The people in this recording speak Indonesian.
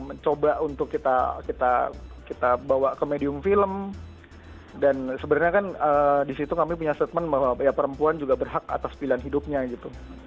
mencoba untuk kita bawa ke medium film dan sebenarnya kan disitu kami punya statement bahwa ya perempuan juga berhak atas pilihan hidupnya gitu